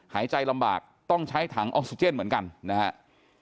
หายใจลำบากต้องใช้ถังออกซิเจนเหมือนกันนะครับ